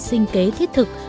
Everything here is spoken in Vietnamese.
sinh kế thiết thực